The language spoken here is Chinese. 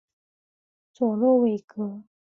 佐洛韦格。